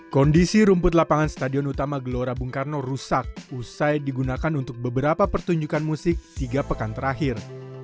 kondisi rumput lapangan stadion utama gelora bung karno rusak usai digunakan untuk beberapa pertunjukan musik tiga pekan terakhir